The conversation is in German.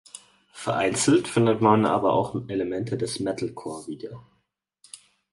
Vereinzelt findet man aber auch Elemente des Metalcore wieder.